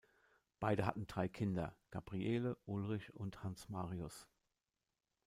Beide hatten drei Kinder, Gabriele, Ulrich und Hans Marius.